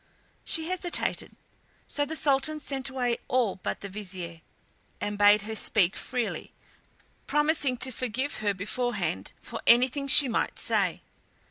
She hesitated, so the Sultan sent away all but the Vizier, and bade her speak freely, promising to forgive her beforehand for anything she might say.